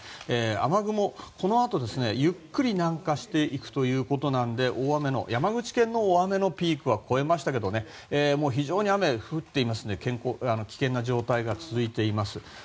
雨雲、このあとゆっくり南下していくということで山口県の大雨のピークは越えましたが非常に雨が降っていますので危険な状態が続いています。